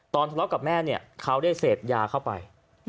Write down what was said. ทะเลาะกับแม่เนี่ยเขาได้เสพยาเข้าไป